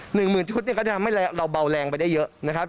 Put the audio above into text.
หนึ่งหมื่นชุดเนี่ยก็จะทำให้เราเบาแรงไปได้เยอะนะครับ